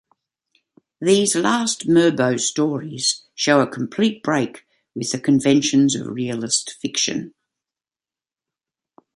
These last Mirbeau stories show a complete break with the conventions of realist fiction.